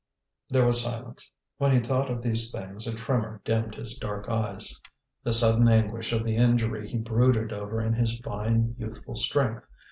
There was silence. When he thought of these things a tremor dimmed his dark eyes, the sudden anguish of the injury he brooded over in his fine youthful strength.